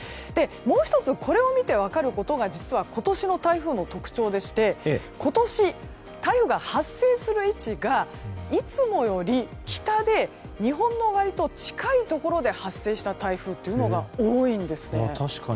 もう１つ、これを見て分かることが実は今年の台風の特徴でして今年、台風が発生する位置がいつもより北で日本の割と近いところで発生した台風というのが多いんですね。